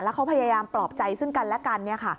เขาพยายามปลอบใจซึ่งกันและกัน